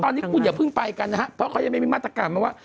ตอนนี้คุณอย่าเพิ่งไปกันนะครับเพราะเขายังไม่มีมาตรการมาว่า